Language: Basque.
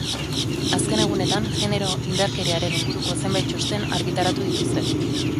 Azken egunetan genero indarkeriaren inguruko zenbait txosten argitaratu dituzte.